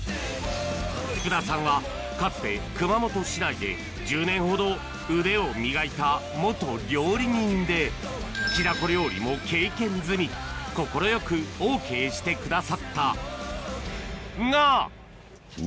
福田さんはかつて熊本市内で１０年ほど腕を磨いた料理人で快くＯＫしてくださったが！